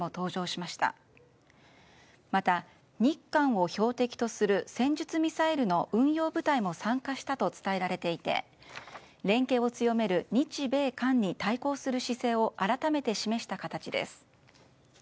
また、日韓を標的とする戦術ミサイルの運用部隊も参加したと伝えられていて連携を強める日米韓に対抗する姿勢を改めて示した形です。